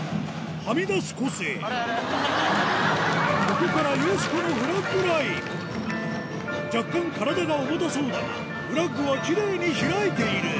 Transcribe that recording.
ここからよしこのフラッグライン若干体が重たそうだがフラッグはきれいに開いている